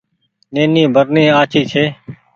نيني برني آڇي ڇي۔